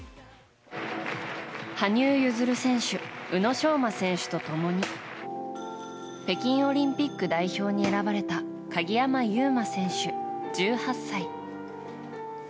羽生結弦選手宇野昌磨選手と共に北京オリンピック代表に選ばれた鍵山優真選手、１８歳。